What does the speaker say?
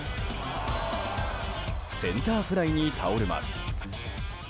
センターフライに倒れます。